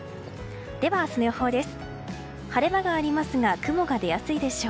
では、明日の予報です。